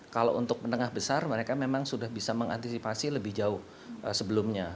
kalau untuk menengah besar mereka memang sudah bisa mengantisipasi lebih jauh sebelumnya